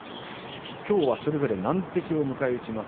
きょうは難敵を迎え撃ちます。